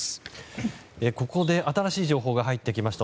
ここで新しい情報が入ってきました。